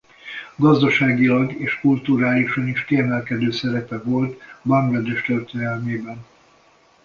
Gazdaságilag és kulturálisan is kiemelkedő szerepe volt Banglades történelmében.